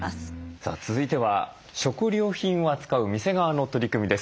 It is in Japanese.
さあ続いては食料品を扱う店側の取り組みです。